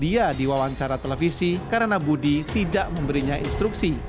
dia diwawancara televisi karena budi tidak memberinya instruksi